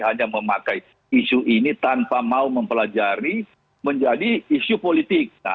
hanya memakai isu ini tanpa mau mempelajari menjadi isu politik